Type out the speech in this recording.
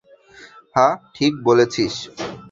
হ্যাঁ ঠিক বলছিস।